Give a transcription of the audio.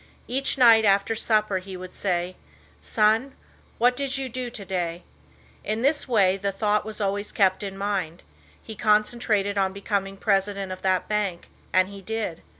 Each night after supper he would say, "Son, what did you do today?" In this way the thought was always kept in mind. He concentrated on becoming president of that bank, and he did.